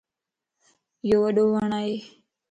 ايو وڏو وڻ ائي.